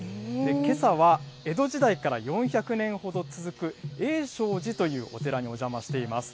けさは江戸時代から４００年ほど続く永昌寺というお寺にお邪魔しています。